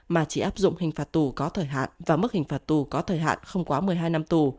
mà chỉ áp dụng hình phạt tù có thời hạn và mức hình phạt tù có thời hạn không quá một mươi hai năm tù